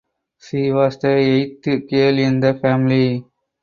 She was the eighth girl in the family.